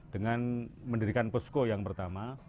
dengan mendirikan posko yang pertama